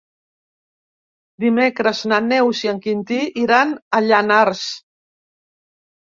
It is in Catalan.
Dimecres na Neus i en Quintí iran a Llanars.